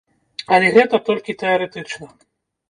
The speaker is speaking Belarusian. Але гэта толькі тэарэтычна.